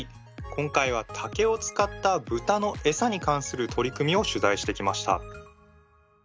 今回は竹を使った豚のエサに関する取り組みを取材してきました。